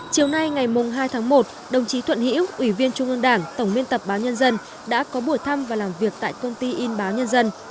chiều nay ngày hai tháng một đồng chí thuận hiễu ủy viên trung ương đảng tổng biên tập báo nhân dân đã có buổi thăm và làm việc tại công ty in báo nhân dân